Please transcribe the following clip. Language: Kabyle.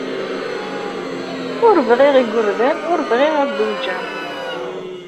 Ur bɣiɣ igerdan, ur bɣiɣ ad zewǧeɣ.